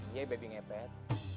iya baby ngepet